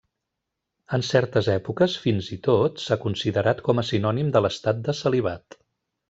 En certes èpoques, fins i tot, s'ha considerat com a sinònim de l'estat de celibat.